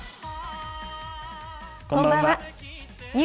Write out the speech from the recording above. こんばんは。